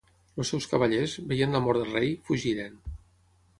Els seus cavallers, veient la mort del rei, fugiren.